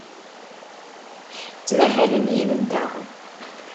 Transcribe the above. Ttmahalen yid-nteɣ.